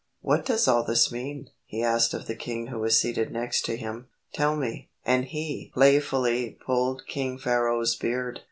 "What does all this mean?" he asked of the king who was seated next to him. "Tell me," and he playfully pulled King Pharaoh's beard.